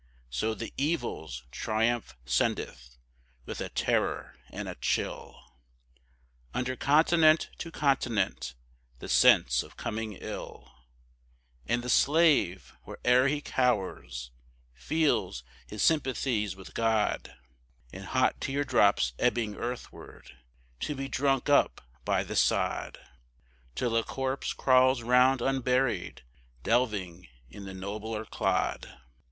So the Evil's triumph sendeth, with a terror and a chill, Under continent to continent, the sense of coming ill, And the slave, where'er he cowers, feels his sympathies with God In hot tear drops ebbing earthward, to be drunk up by the sod, Till a corpse crawls round unburied, delving in the nobler clod.